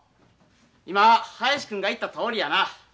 今林君が言ったとおりやな。